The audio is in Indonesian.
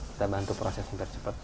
kita bantu prosesnya biar cepat